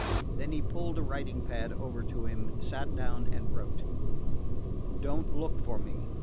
Then he pulled a writing pad over to him, sat down and wrote: Don't look for me.